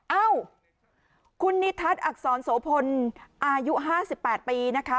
เอ้าคุณนิทัศน์อักษรโสพลอายุ๕๘ปีนะคะ